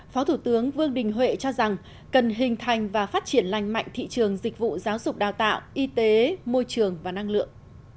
phó thủ tướng vương đình huệ cho rằng cần hình thành và phát triển lành mạnh thị trường dịch vụ giáo dục đào tạo y tế môi trường và năng lượng